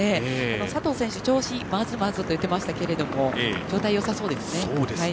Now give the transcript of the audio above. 佐藤選手、調子まずまずと言ってましたけども状態よさそうですね。